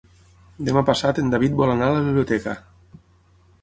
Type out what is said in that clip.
Demà passat en David vol anar a la biblioteca.